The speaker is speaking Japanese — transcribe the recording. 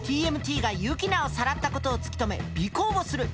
ＴＭＴがユキナをさらったことを突き止め尾行をする。